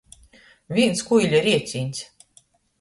Vīns kuiļa riecīņs!